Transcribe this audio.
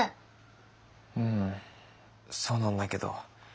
うんそうなんだけど。